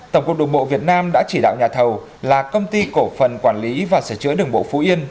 tổng cục đường bộ việt nam đã chỉ đạo nhà thầu là công ty cổ phần quản lý và sửa chữa đường bộ phú yên